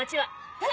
えっ！